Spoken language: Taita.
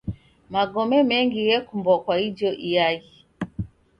Magome mengi ghekumbwa kwa ijo iaghi.